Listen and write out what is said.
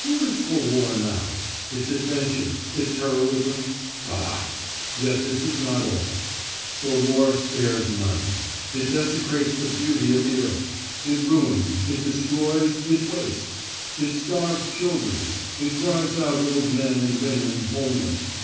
Who is for war now? Its adventure, its heroism? Bah! Yet this is not all. For war spares none. It desecrates the beauty of the earth; it ruins, it destroys, it wastes; it starves children; it drives out old men, and women, homeless.